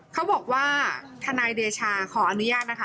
เขาบอกว่าทนายเดชาขออนุญาตนะคะ